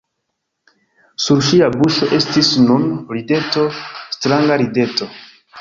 Sur ŝia buŝo estis nun rideto, stranga rideto!